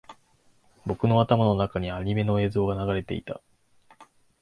僕の頭の中にアニメの映像が流れていた